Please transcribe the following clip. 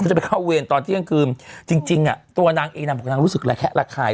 จะไปเข้าเวรตอนเที่ยงคืนจริงอ่ะตัวนางเองนางบอกนางรู้สึกระแคะระคาย